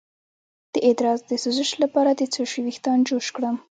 د ادرار د سوزش لپاره د څه شي ویښتان جوش کړم؟